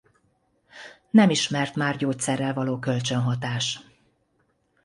Nem ismert már gyógyszerrel való kölcsönhatás.